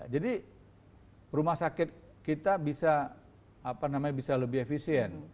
jadi rumah sakit kita bisa lebih efisien